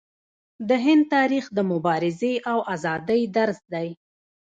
د هند تاریخ د مبارزې او ازادۍ درس دی.